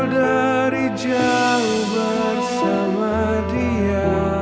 dari jauh bersama dia